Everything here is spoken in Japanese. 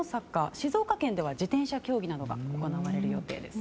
静岡県では自転車競技などが行われる予定です。